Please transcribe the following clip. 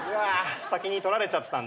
先に取られちゃってたんだ。